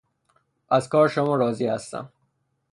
از کار شما راضی هستم.